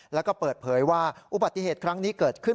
แล้วก็เปิดเผยว่าอุบัติเหตุครั้งนี้เกิดขึ้น